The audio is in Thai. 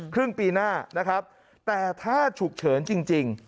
ครึ่งปีหน้านะครับแต่ถ้าฉุกเฉินจริง